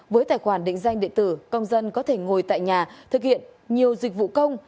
với tài khoản định danh điện tử công dân có thể ngồi tại nhà thực hiện nhiều dịch vụ công